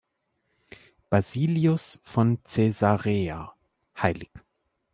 Basilius von Caesarea, Hl.